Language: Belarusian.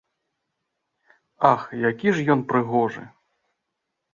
Ах, які ж ён прыгожы!